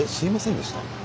すいませんでした。